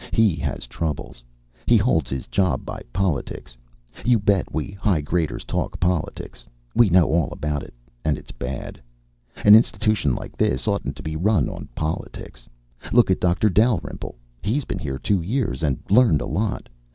He has troubles. He holds his job by politics. You bet we high graders talk politics. We know all about it, and it's bad. An institution like this oughtn't to be run on politics. Look at Doctor Dalrymple. He's been here two years and learned a lot.